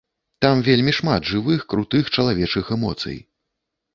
Там вельмі шмат жывых крутых чалавечых эмоцый.